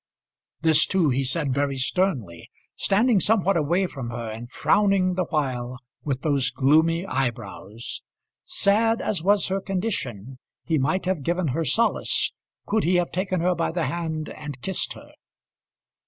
This too he said very sternly, standing somewhat away from her, and frowning the while with those gloomy eyebrows. Sad as was her condition he might have given her solace, could he have taken her by the hand and kissed her.